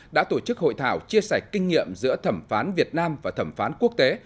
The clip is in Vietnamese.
đã tổ chức hội thảo chia sẻ kinh nghiệm giữa thẩm phán việt nam và thẩm phán quốc tế